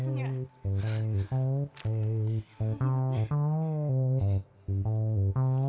jangan ke nimku